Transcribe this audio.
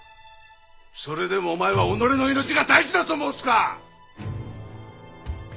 それでもお前は己の命が大事だと申すか！